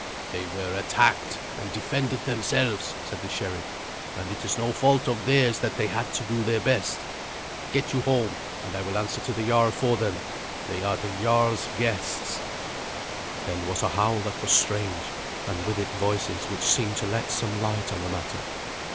"They were attacked, and defended themselves," said the sheriff, "and it is no fault of theirs that they had to do their best. Get you home, and I will answer to the jarl for them. They are the jarl's guests." Then was a howl that was strange, and with it voices which seemed to let some light on the matter.